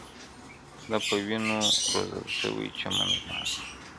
دا په وينو روزل سوی چمن زما دی؛